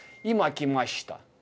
今、来ました、